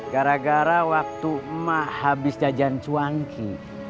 gara gara waktu emak habis jajan cuanki